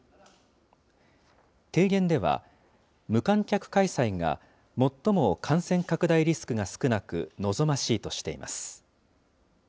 提言では、無観客開催が最も感染拡大リスクが少なく、望ましいとしています。